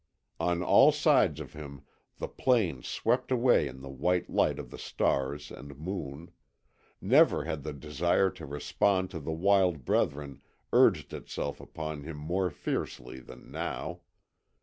On all sides of him the plain swept away in the white light of the stars and moon; never had the desire to respond to the wild brethren urged itself upon him more fiercely than now.